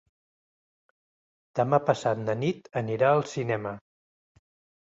Demà passat na Nit anirà al cinema.